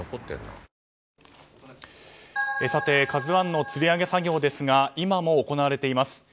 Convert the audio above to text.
「ＫＡＺＵ１」のつり上げ作業ですが今も行われています。